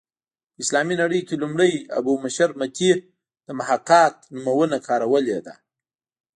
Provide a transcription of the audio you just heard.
په اسلامي نړۍ کې لومړی ابو بشر متي د محاکات نومونه کارولې ده